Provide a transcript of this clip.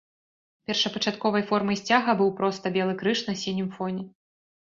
Першапачатковай формай сцяга быў проста белы крыж на сінім фоне.